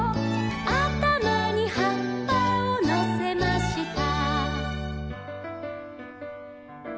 「あたまにはっぱをのせました」